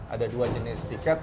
ada dua jenis tiket